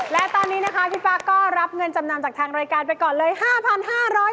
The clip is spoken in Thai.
และตอนนี้นะคะพี่ฟ้าก็รับเงินจำนำจากทางรายการไปก่อนเลย๕๕๐๐บาท